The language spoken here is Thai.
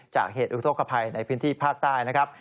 จากเหตุอุทธกภัยในพื้นที่ภาคใต้นะครับ